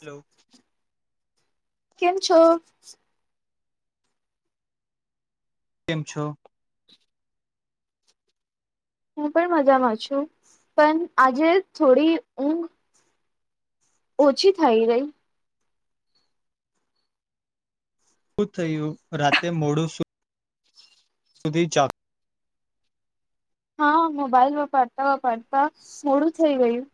Hello. કેમ છો? કેમ છો? હું પણ મજામાં છું પન આજે થોડી ઊંઘ ઓછી થઈ ગઈ. શું થયું રાતે મોડું સુધી જાગ હા મોબાઈલ વપરતા વપરતા મોડું થઈ ગયું.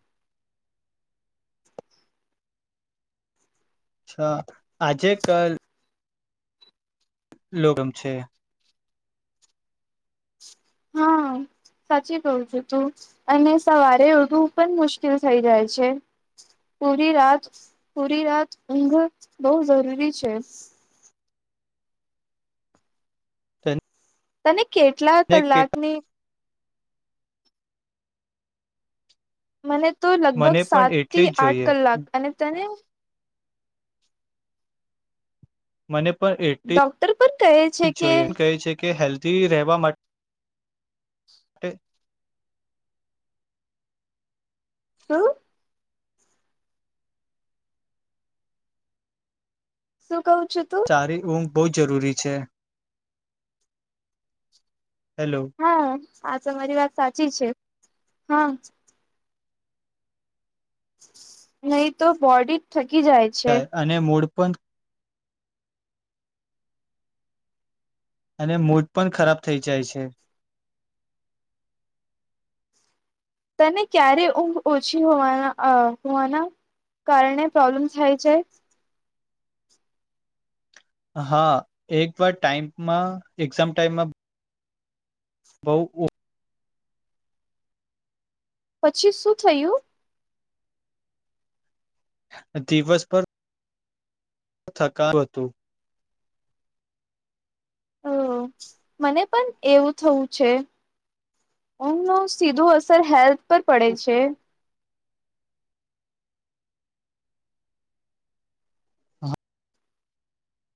અચ્છા આજે કલ લોગમ છે. હા [inaudible] સાચી ગઉુ જો તુ અને સવારે ઉઠવુ પણ મુશ્કેલ થઈ જાય છે. પૂરી રાત પૂરી રાત ઊઘ બહુ જરૂરી છે. તને કેટલા તને કેટ કલાકની મને તો લગભગ મને પણ સાત એટલી થી જ આઠ જોઈએ કલાક અને તને મને પણ એટલી ડોક્ટર પણ કહે છે કે જોઈ એ કહે છે કે હેલ્ધી રહેવા માટે શુ શું કઉ છુ, તુ ચારે ઘ બહુ જ જરૂરી છે. હેલો હા આ તમારી વાત સાચી છે, હા નહી તો બોડી થકી જાય. છે જાય અને મૂળ પણ અને મડ પણ ખરાબ થઈ જાય છે. તને ક્યારે ઊંઘ ઓછી હોવાના હોવાના કારણે પ્રોબ્લેમ્સ થય છે. હા એક વાર ટાઈમમા એક્ઝામ ટાઈમમા બવ ઓ પછી શું થયુ. દિવસ પર થકાવ હતુ. હ મને પણ એવું થવુ છે. ઊમ નો સીધો અસર હેલ્થ પર પડે છે.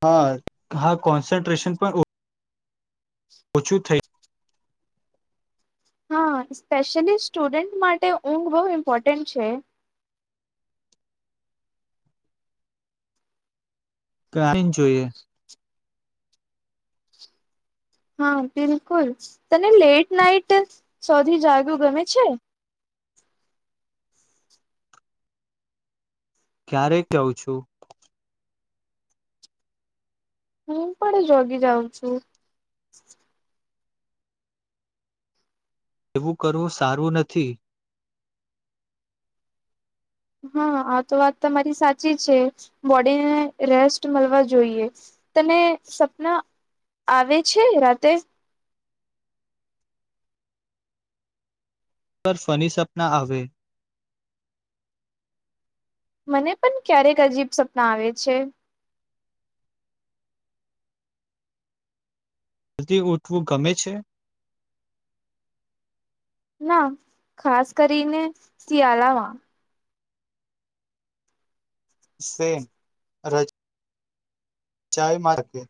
હા હા કોન્સન્ટ્રેશન પણ ઓ ઓછું થઈ. હા સ્પેશિયલી સ્ટુડન્ટ માટે ઊંઘ બહુ ઇમ્પોર્ટન્ટ છે. કા ઈ જોઈએ. હા બિલકુલ. તને લેટ નાઈટ સોધી જાગ્યું ગમે છે. ક્યારે કવું છુ. હું પણ જોગી જાઉ છુ. એવુ કરવુ સારુ નથી. હા આ તો વાત તમારી સાચી છે. બોડીને રેસ્ટ મલવો જોઈએ. તને સપના આવે છે, રાતે પર ફની સપના આવે મને પણ ક્યારેક અજીબ સપના આવે છે. થી ઉઠવું ગમે છે. ના ખાસ કરીને શિયાલામા સેમ રજ ચાય માર્કે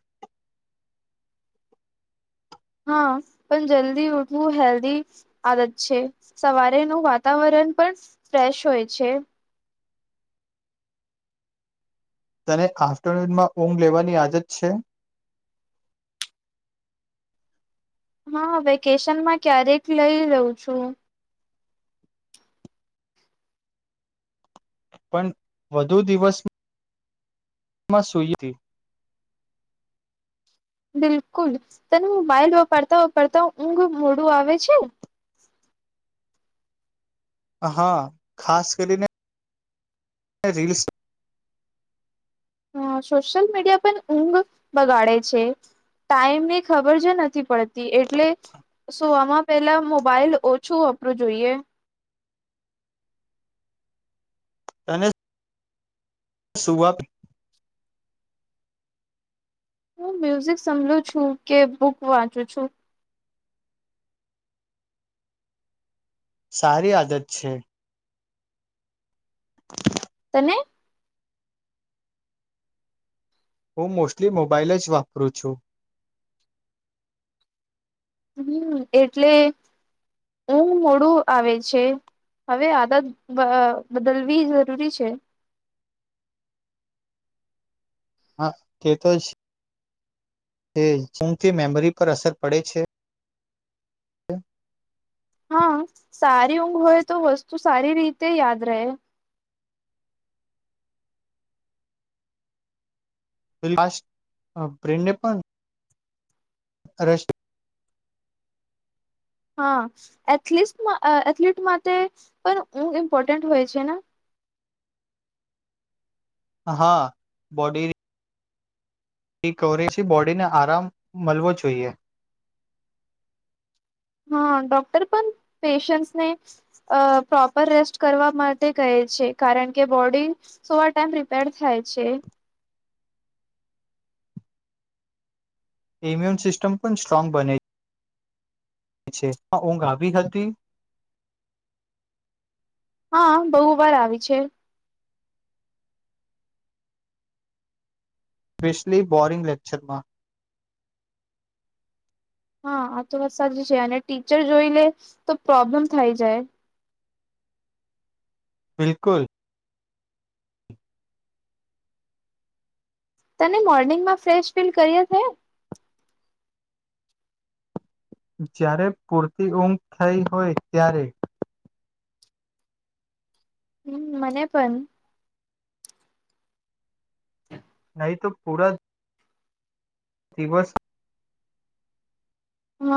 હા પણ જલ્દી ઉઠવું હેલ્ધી આદત છે, સવારેનુ વાતાવરણ પણ ફ્રેશ હોય છે. તને આફ્ટરનૂનમાં ઊંઘ લેવાની આદત છે. હા વેકેશનમાં ક્યારેક લઈ રવ છુ. પણ વધુ દિવસ મા સુઈ તી બિલકુલ તનેું બઇલ વપરતા વપરતા ઊંઘ મોડું આવે છે. હા ખાસ કરીને રીલસ હ સોશલ મીડિયા પણ ઊંઘ બગાડે છે. ટાઈમે ખબર જ નથી પડતી એટલે સુવામાં પેલા મોબાઈલ ઓછું વાપરું જોઈએ. તને સુવા પે હું મ્યુઝિક સમલુ છું, કે બુક વાંચું છું. સારી આદત છે. તને હું મોસ્ટલી મોબાઈલ જ વાપરું છું. હમ એટલે ઊ મોડું આવે છે. હવે આદત બ બદલવી જરૂરી છે. હા તે તો જ [inaudible] ઉકથી મેમરી પર અસર પડે છે. હા સારી ઊંઘ હોય તો વસ્તુ સારી રીતે યાદ રહે. ફાસ્ટ બ્રેનને પણ [unintelligible] રશ હા એથલીસમા અ એથ્લીટ માટે પણ ઇમ્પોર્ટન્ટ હોય છે, ને હા બોડી એ કવરે છે, બોડી ને આરામ મલવો જોઈએ. હા ડોક્ટર પણ પેેશન્સને અ પ્રોપર રેસ્ટ કરવા માટે કહે છે, કારણ કે બોડી સોવા ટાઈમ રિપેર થાય છે. ઈમ્યુન સિસ્ટમ પણ સ્ટ્રોંગ બને છે, ઊંઘ આવી હતી હ બો વાર આવી છે. સ્પેશલી બોરિંગ લેક્ચરમાં હા આ તો વાત સાચી છે, અને ટીચર જોઈ લે તો પ્રોબ્લેમ થઈ જાય બિલકુલ તને મોર્નિંગમાં ફ્રેશ ફીલ કરીએ હે જ્યારે પૂરતી ઊંઘ થઈ હોય ત્યારે હમ મને પન નહી તો પૂરા દિવસ હ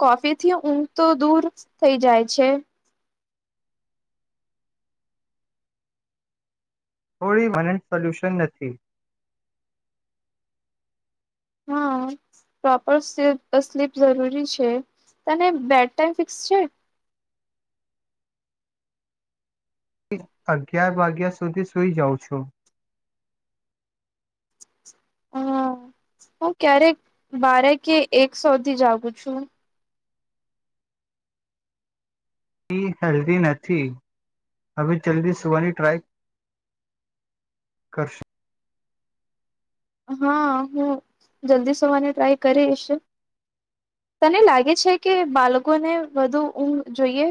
કોફીથી ઊંઘ તો દૂર થઈ જાય છે. થોડી [unintelligible] સોલયુશન નથી. હ. પ્રોપર સ્લી સ્લીપ જરૂરી છે, તને બેડ ટાઈમ ફિક્સ છે. અગિયાર વાગ્યા સુધી સુઈ જાઉં છો હા હું ક્યારેક બારે કે એક સોથી જાગું છું એ હેલ્ધી નથી હવે જલ્દી સુવાની ટ્રાય કરસ હા હું જલ્દી સુવાની ટ્રાય કરીશ તને લાગે છે, કે બાલકોને વધુ ઊંઘ જોઈએ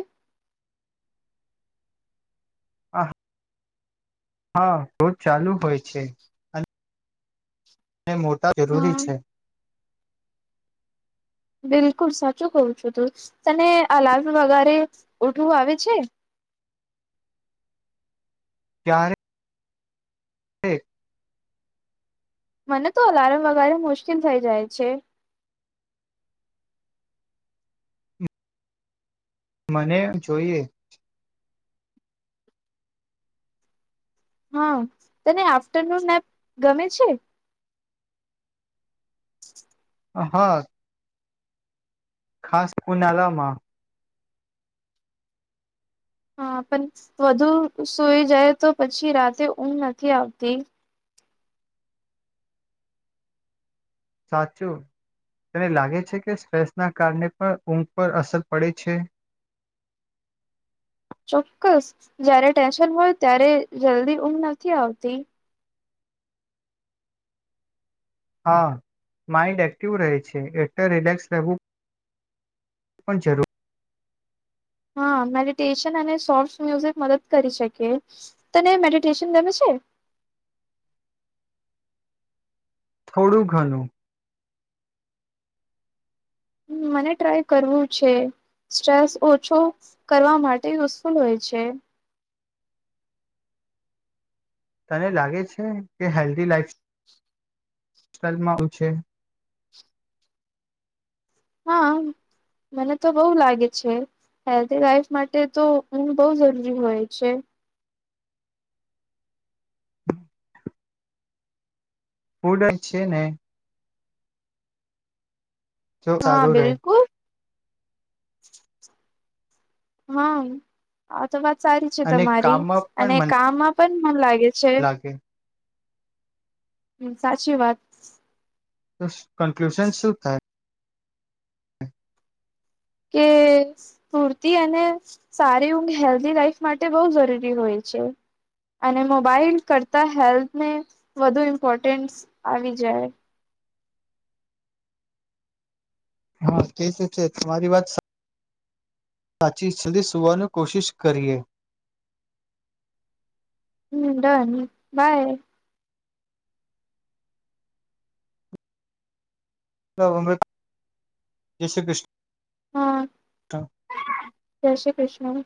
હા રોજ ચાલુ હોય છે. ને મોટા હા જરૂરી છે. બિલકુલ સાચું કઉ છું તું તને [unintelligible] વગારે ઉઠવું આવે છે. ક્યારે એ મને તો અલાર્મ વગારે મુશ્કેલ થઈ જાય છે. મને જોઈએ હા તને આફ્ટરનૂન ના ગમે છે. હા ખાસ ઉનાળા માં હા પણ વધુ સઈ જાય તો પછી રાતે ઊંઘ નથી આવતી સાચું તને લાગે છે કે સ્ટ્રેસ ના કારણે પણ ઊંઘ પર અસર પડે છે ચોક્કસ જારે ટેન્શન હોય ત્યારે જલ્દી ઊંઘ નથી આવતી હા માઇન્ડ એક્ટિવ રહે છે એટલે રિલેક્સ રહેવું પણ જરૂર હા મેડિટેશન અને સોફ્ટ મ્યુઝિક મદદ કરી શકે તને મેડિટેશન ગમે છે થોડું ઘાનુ મને ટ્રાય કરવું છે સ્ટ્રેસ ઓછો કરવા માટે યુઝફુલ હોય છે તને લાગે છે કે હેલ્ધ લાઈફ સ્ટાઇલ મા આવ છે હા મને તો બઉુ લાગે છે હેલ્ધ વાઇફ માટે તો ઊઘ બઉ જરૂરી હોય છે ફૂડ જ છે ને જો હા સારું રહે બિલકુલ હા આ તો વાત સારી છે અને તમારી કામમાં અને પણ મન કામમાં પણ મમ લાગે છે લાગે હમ્મ સાચી વાત તો કન્ક્લુશન શું થાય સ્ૂરતી અને સારી ઊંઘ હેલ્ધી લાઈફ માટે બહ જરૂરી હોય છે અને મોબાઈલ કરતાં હેલ્થને વધુ ઇમ્પોર્ટન્સ આવી જાય હા તે શું છે તમારી વાત સાચી જલ્દી સુવાનું કોશિશ કરીએ હ ડન બાય તો અ જાય શ્રી ક્રિષ્ના હા જય શ્રી કૃષ્ણ